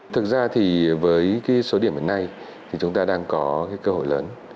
thực ra thì với số điểm hôm nay thì chúng ta đang có cơ hội lớn